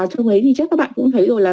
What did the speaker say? chỗ ấy thì chắc các bạn cũng thấy rồi là